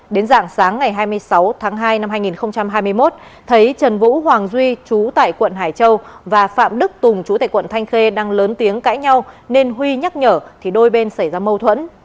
đến dạng sáng ngày hai mươi sáu tháng hai năm hai nghìn hai mươi một thấy trần vũ hoàng duy trú tại quận hải châu và phạm đức tùng chú tại quận thanh khê đang lớn tiếng cãi nhau nên huy nhắc nhở thì đôi bên xảy ra mâu thuẫn